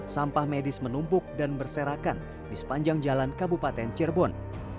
sampah medis menumpuk dan berserakan di sepanjang jalan kabupaten cirebon